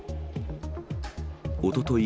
おととい